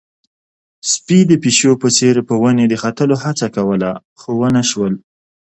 سپي د پيشو په څېر په ونې د ختلو هڅه کوله، خو ونه شول.